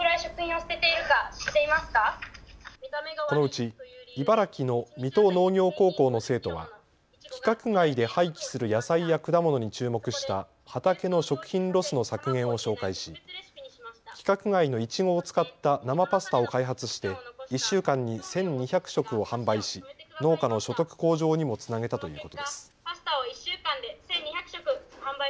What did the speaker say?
このうち茨城の水戸農業高校の生徒は規格外で廃棄する野菜や果物に注目した畑の食品ロスの削減を紹介し規格外のいちごを使った生パスタを開発して１週間に１２００食を販売し農家の所得向上にもつなげたということです。